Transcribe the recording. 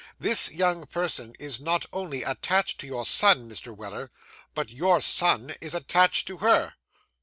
This young person is not only attached to your son, Mr. Weller, but your son is attached to her.